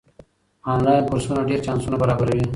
آنلاین کورسونه ډېر چانسونه برابروي.